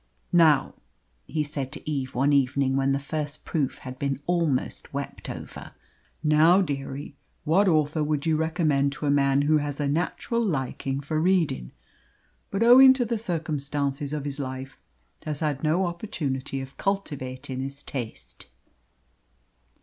"Now," he said to Eve one evening, when the first proof had been almost wept over, "now, dearie, what author would you recommend to a man who has a natural likin' for reading, but owing to the circumstances of his life has had no opportunity of cultivatin' his taste?"